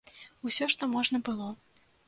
Усё, што можна было.